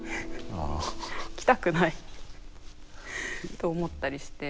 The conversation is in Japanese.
着たくないと思ったりして。